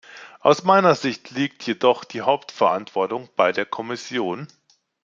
Aus meiner Sicht liegt jedoch die Hauptverantwortung bei der Kommission.